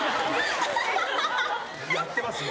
やってますよ